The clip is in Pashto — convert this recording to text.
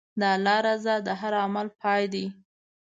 د الله رضا د هر عمل پای دی.